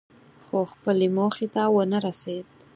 خو خپلې موخې ته ونه رسېد.